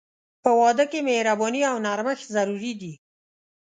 په واده کې مهرباني او نرمښت ضروري دي.